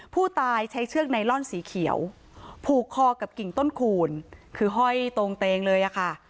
ผู้ตายใช้เชือกไนลอนสีเขียวผูกคอกับกิ่งต้นคูณคือห้อยตรงเตงเลยอะค่ะ